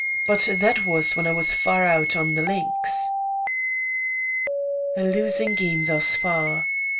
But that was when I was far out on the links." A losing game thus far.